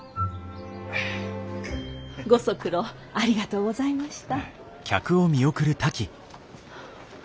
ご足労ありがとうございました。